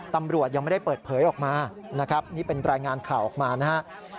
ตำรวจยังไม่ได้เปิดเผยออกมานะครับนี่เป็นรายงานข่าวออกมานะครับ